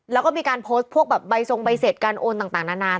แล้วก็มีการโพสต์พวกแบบใบทรงใบเสร็จการโอนต่างนานา